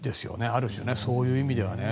ある種ねそういう意味ではね。